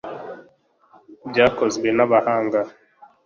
byakozwe n abahanga